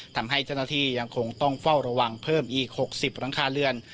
ทำให้เจ้าหน้าที่ยังคงต้องเฝ้าระวังเพิ่มอีก๖๐หลังคาเรือน